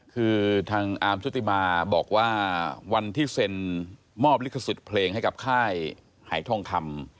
คือทางอาร์มชุติมาบอกว่าวันที่เซ็นมอบลิขสิทธิ์เพลงให้กับค่ายหายทองคำ